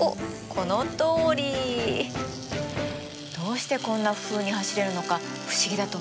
このとおり！どうしてこんなふうに走れるのか不思議だと思いませんか？